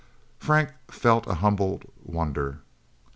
Frank felt a humbled wonder.